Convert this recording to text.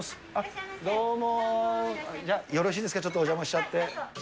どうも、よろしいですか、ちょっとお邪魔しちゃって。